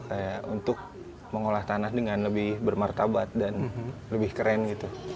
kayak untuk mengolah tanah dengan lebih bermartabat dan lebih keren gitu